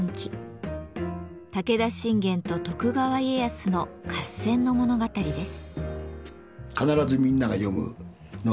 武田信玄と徳川家康の合戦の物語です。